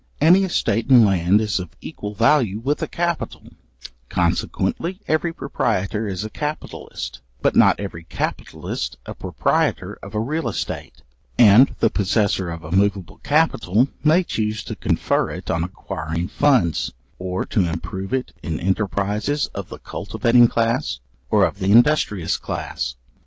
Any estate in land is of equal value with a capital; consequently every proprietor is a capitalist, but not every capitalist a proprietor of a real estate; and the possessor of a moveable capital may chuse to confer it on acquiring funds, or to improve it in enterprizes of the cultivating class, or of the industrious class.